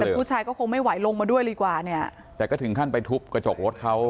แต่ผู้ชายก็คงไม่ไหวลงมาด้วยดีกว่าเนี่ยแต่ก็ถึงขั้นไปทุบกระจกรถเขา